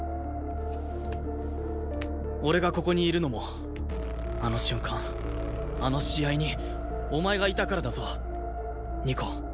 俺がここにいるのもあの瞬間あの試合にお前がいたからだぞ二子。